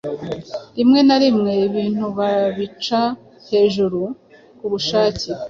rimwe na rimwe ibintu babica hejuru ku bushake